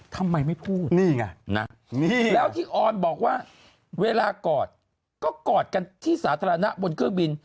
ทำไมไม่พูดนี่ไงนะแล้วที่ออนบอกว่าเวลากอดก็กอดกันที่สาธารณะบนเครื่องบิน